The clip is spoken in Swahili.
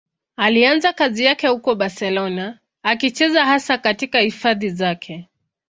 Alianza kazi yake huko Barcelona, akicheza hasa katika hifadhi zake.